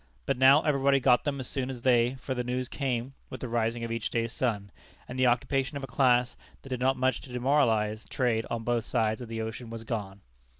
But now everybody got them as soon as they, for the news came with the rising of each day's sun, and the occupation of a class that did much to demoralize trade on both sides of the ocean was gone.